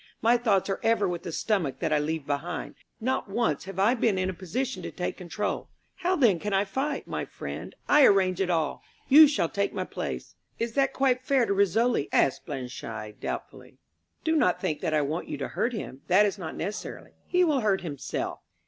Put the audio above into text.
"My thoughts are ever with the stomach that I leave behind. Not once have I been in a position to take control. How then can I fight? My friend, I arrange it all. You shall take my place." "Is that quite fair to Rissole?" asked Blanchaille doubtfully. "Do not think that I want you to hurt him. That is not necessary. He will hurt himself.